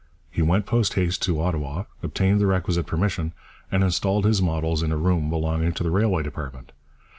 He went post haste to Ottawa, obtained the requisite permission, and installed his models in a room belonging to the Railway department.